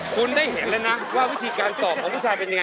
คุณได้เห็นแล้วนะว่าวิธีการตอบของผู้ชายเป็นยังไง